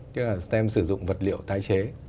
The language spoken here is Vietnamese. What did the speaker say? chứ là stem sử dụng vật liệu tái chế